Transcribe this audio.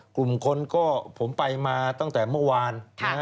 กลุ่มคนก็ผมไปมาตั้งแต่เมื่อวาน